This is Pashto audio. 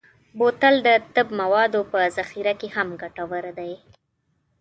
بوتل د طب موادو په ذخیره کې هم ګټور دی.